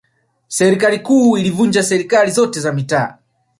serikali kuu ilivunja serikali zote za mitaa